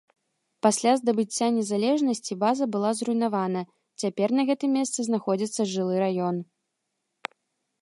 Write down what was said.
Пасля здабыцця незалежнасці база была зруйнавана, цяпер на гэтым месцы знаходзіцца жылы раён.